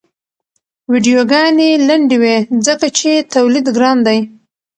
ویډیوګانې لنډې وي ځکه چې تولید ګران دی.